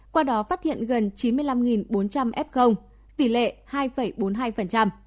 qua đó phát hiện gần chín mươi năm bốn trăm linh f tỷ lệ hai bốn mươi hai